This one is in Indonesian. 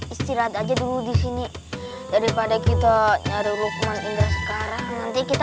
istirahat aja dulu di sini daripada kita nyaru lukman hingga sekarang nanti kita